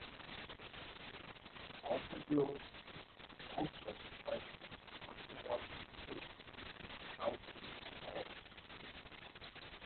Altaville was also the site of an archaeological hoax, the Calaveras Skull.